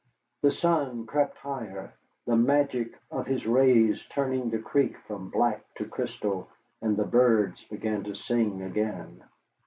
The sun crept higher, the magic of his rays turning the creek from black to crystal, and the birds began to sing again.